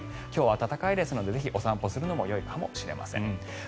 今日は暖かいのでお散歩するのもよいかもしれません。